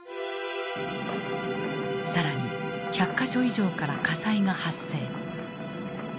更に１００か所以上から火災が発生。